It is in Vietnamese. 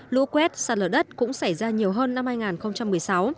lũ quét sạt lở đất cũng xảy ra nhiều hơn năm hai nghìn một mươi sáu